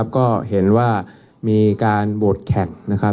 ก็เห็นว่ามีการโบสถ์แขก